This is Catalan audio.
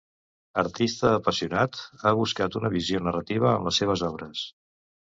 Artista apassionat ha buscat una visió narrativa en les seves obres.